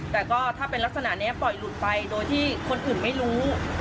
แต่ก็ถ้าเป็นลักษณะนี้ปล่อยหลุดไปโดยที่คนอื่นไม่รู้